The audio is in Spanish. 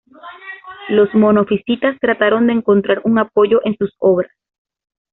Los monofisitas trataron de encontrar un apoyo en sus obras.